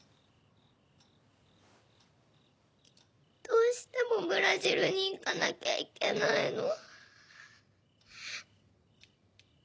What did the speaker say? どうしてもブラジルに行かなきゃいけないの？